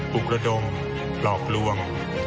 กระดมหลอกลวง